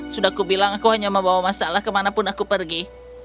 sudah kubilang aku hanya membawa masalah kemanapun aku pergi